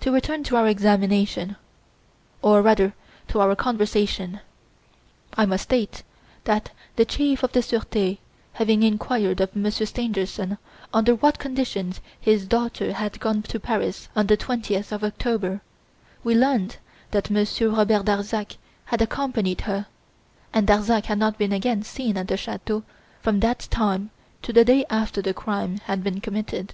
To return to our examination, or rather to our conversation. I must state that the Chief of the Surete having inquired of Monsieur Stangerson under what conditions his daughter had gone to Paris on the 20th of October, we learned that Monsieur Robert Darzac had accompanied her, and Darzac had not been again seen at the chateau from that time to the day after the crime had been committed.